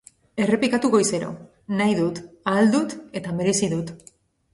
Errepikatu goizero: Nahi dut, ahal dut eta merezi dut.